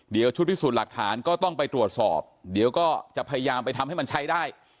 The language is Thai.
เดี๋ยวชุดพิสูจน์หลักฐานก็ต้องไปตรวจสอบเดี๋ยวก็จะพยายามไปทำให้มันใช้ได้